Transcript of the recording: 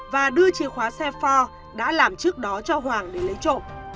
và đưa chìa khóa xe for đã làm trước đó cho hoàng để lấy trộm